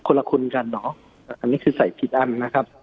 ละคุณกันเหรออันนี้คือใส่ผิดอันนะครับ